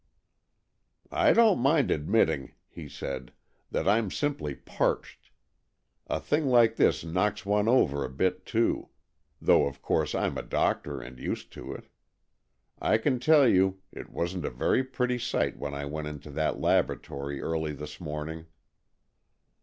" I don't mind admit ting," he said, " that I'm simply parched. A thing like this knocks one over a bit too, though of course I'm a doctor and used to it. I can tell you, it wasn't a very pretty sight when I went into that laboratory early this morning."